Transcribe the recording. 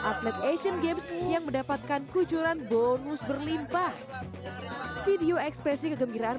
atlet asian games yang mendapatkan kucuran bonus berlimpah video ekspresi kegembiraan